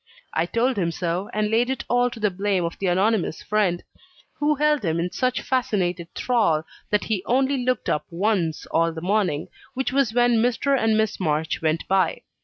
I told him so, and laid it all to the blame of the Anonymous Friend: who held him in such fascinated thrall that he only looked up once all the morning, which was when Mr. and Miss March went by.